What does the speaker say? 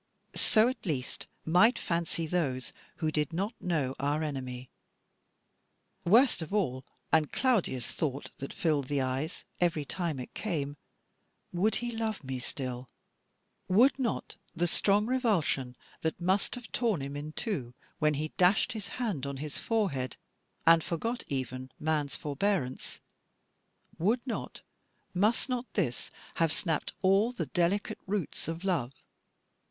So at least might fancy those who did not know our enemy. Worst of all, and cloudiest thought, that filled the eyes every time it came, would he love me still? Would not the strong revulsion, that must have torn him in two, when he dashed his hand on his forehead, and forgot even man's forbearance, would not, must not this have snapped all the delicate roots of love?